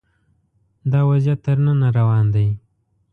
دا وضعیت تر ننه روان دی